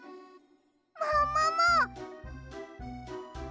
ももも！？